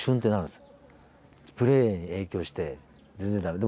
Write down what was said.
プレーに影響して全然駄目。